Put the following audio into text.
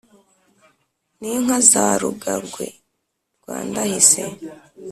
n'inka za rugagwe rwa ndahise,